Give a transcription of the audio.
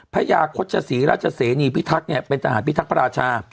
พญาโฆษศรีราชเสนีพิทักษ์เนี่ยเป็นทหารพิทักษ์พระราชา